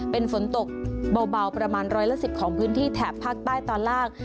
เป็นฝนตกเบาประมาณร้อยละ๑๐ของพื้นที่แถบภาคใต้ตอนล่าง